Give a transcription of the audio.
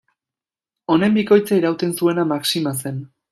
Honen bikoitza irauten zuena maxima zen.